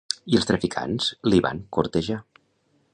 I els traficants li van cortejar.